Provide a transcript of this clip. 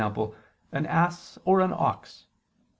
an ass or an ox.